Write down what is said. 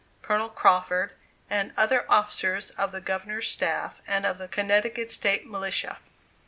Colonel Crawford, and other officers of the Governor's staff, and of the Connecticut State Militia.